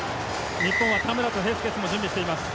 日本は田村とヘスケスも準備しています。